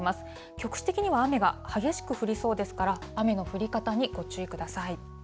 局地的には雨が激しく降りそうですから、雨の降り方にご注意ください。